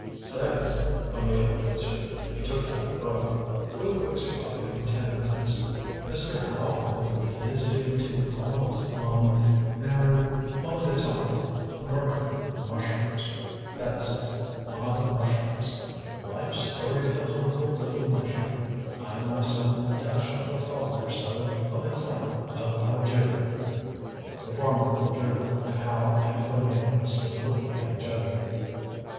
"Thanks," O'Neill answered. He took down a book. "We'll fix you up in ten minutes. Mr. Howe, will you please do me two columns on er mulligatawny murder mushrooms. That's it. On mushrooms. The life story of the humble little mushroom. I myself will dash off a column or so on the climate of Algeria." The foreman withdrew, and Howe and O'Neill stood looking at each other.